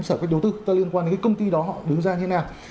sở phép đầu tư liên quan đến công ty đó họ đứng ra như thế nào